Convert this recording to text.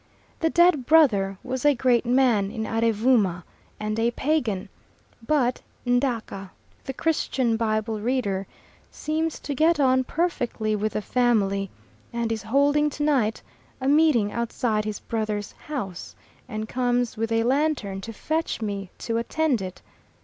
The dead brother was a great man in Arevooma and a pagan, but Ndaka, the Christian Bible reader, seems to get on perfectly with the family and is holding tonight a meeting outside his brother's house and comes with a lantern to fetch me to attend it.